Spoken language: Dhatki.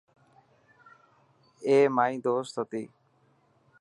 اي مائي دوست هتي.